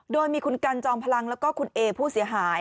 โดยมีคุณกันจอมพลังแล้วก็คุณเอผู้เสียหาย